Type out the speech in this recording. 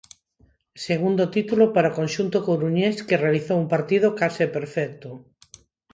Segundo título para o conxunto coruñés, que realizou un partido case perfecto.